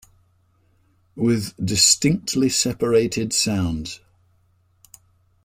With distinctly separated sounds.